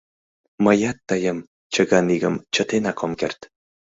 — Мыят тыйым, Чыган игым, чытенак ом керт...